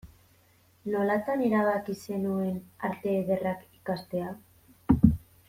Nolatan erabaki zenuen Arte Ederrak ikastea?